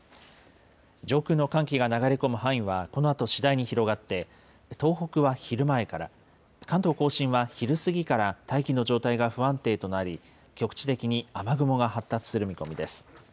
上空の寒気が流れ込む範囲はこのあと次第に広がって、東北は昼前から、関東甲信は昼過ぎから大気の状態が不安定となり、局地的に雨雲が発達する見込みです。